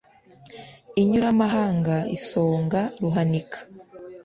Inyuramahanga isonga Ruhanika,